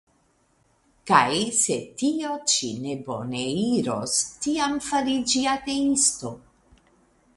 Kaj se tio ĉi ne bone iros, tiam fariĝi ateisto!